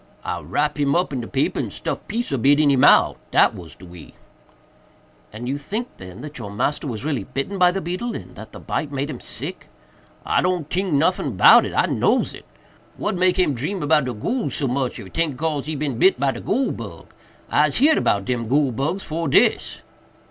I rap him up in de paper and stuff piece ob it in he mouff—dat was de way." "And you think, then, that your master was really bitten by the beetle, and that the bite made him sick?" "I do n't tink noffin about it—I nose it. What make him dream 'bout de goole so much, if 'taint cause he bit by de goole bug? Ise heerd 'bout dem goole bugs fore dis."